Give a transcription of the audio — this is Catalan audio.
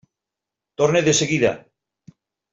Torne de seguida.